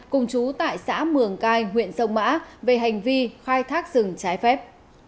cùng chú tại xã mường cai huyện sông mã về hành vi khai thác rừng trái phép